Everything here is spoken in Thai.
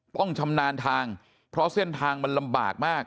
ต้องชำนาญทางเพราะเส้นทางมันลำบากมาก